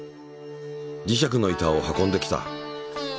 磁石の板を運んできた。